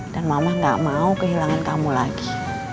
dan mama gak mau kehilangan kamu lagi